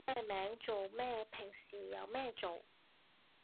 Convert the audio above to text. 又要講自己叫咩名做咩嘢平時有咩做